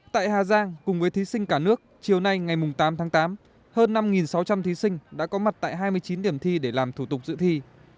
tại hà giang cùng với thí sinh cả nước chiều nay ngày tám tháng tám hơn năm sáu trăm linh thí sinh đã có mặt tại hai mươi chín điểm thi để làm thủ tục dự thi